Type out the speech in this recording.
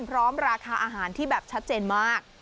ราคาอาหารที่แบบชัดเจนมาก